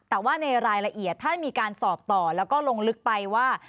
แต่ว่าในรายละเอียดถ้ามีการสอบต่อแล้วก็ลงลึกไปว่า